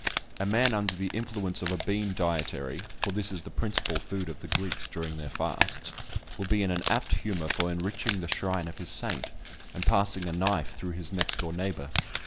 A man under the influence of a bean dietary (for this is the principal food of the Greeks during their fasts) will be in an apt humour for enriching the shrine of his saint, and passing a knife through his next door neighbour.